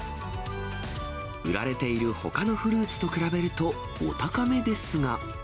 売られているほかのフルーツと比べるとお高めですが。